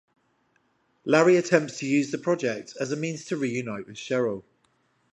Larry attempts to use the project as a means to reunite with Cheryl.